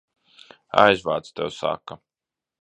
Aizvāc, tev saka!